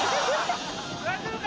大丈夫か？